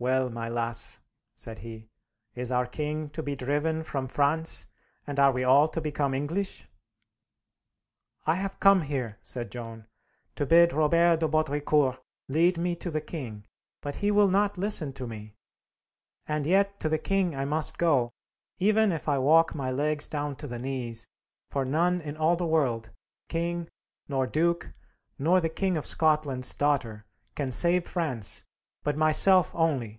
"Well, my lass," said he, "is our king to be driven from France, and are we all to become English?" "I have come here," said Joan, "to bid Robert de Baudricourt lead me to the king, but he will not listen to me. And yet to the king I must go, even if I walk my legs down to the knees; for none in all the world king, nor duke, nor the King of Scotland's daughter can save France, but myself only.